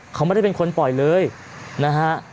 เขาไม่ได้เป็นคนปล่อยเลยนะฮะ